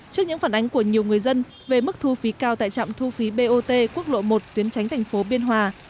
trước những phản ánh của nhiều người dân về mức thu phí cao tại trạm thu phí bot quốc lộ một tuyến tránh thành phố biên hòa